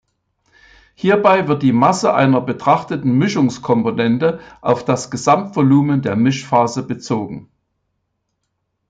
Hierbei wird die Masse einer betrachteten Mischungskomponente auf das Gesamtvolumen der Mischphase bezogen.